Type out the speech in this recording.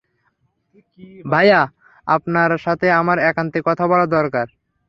ভাইয়া, আপনার সাথে আমার একান্তে কথা বলা দরকার।